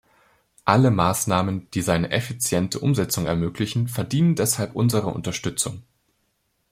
Alle Maßnahmen, die seine effiziente Umsetzung ermöglichen, verdienen deshalb unsere Unterstützung.